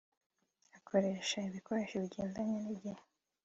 gukoresha ibikoresho bigendanye n’igihe